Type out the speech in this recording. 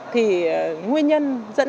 thì nguyên nhân dẫn đến tình trạng của bố mẹ